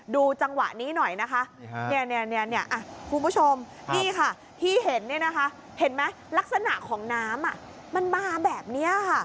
ดูจังหวะนี้หน่อยคุณผู้ชมที่เห็นลักษณะของน้ำมันมาแบบนี้